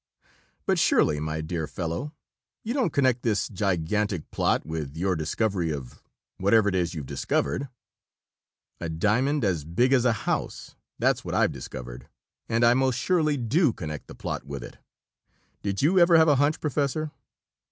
"But surely, my dear fellow, you don't connect this gigantic plot with your discovery of whatever it is you have discovered?" "A diamond as big as a house! That's what I've discovered! And I most surely do connect the plot with it. Did you ever have a hunch, Professor?